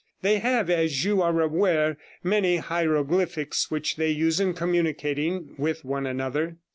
They have, as you are aware, many heiroglyphics which they use in communicating with one another.